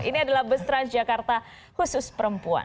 ini adalah bus transjakarta khusus perempuan